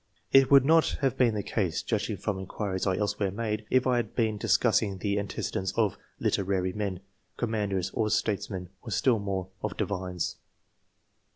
It would not have been the case, judging from inquiries I elsewhere made, if I had been discussing the antecedents of literary 20« BN0LI3H MBS OF 8CIBNCE. [chap. men, commanders, or statesmen, or, still more, of divines.